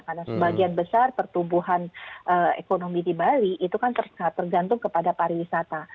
karena sebagian besar pertumbuhan ekonomi di bali itu kan tergantung kepada pariwisata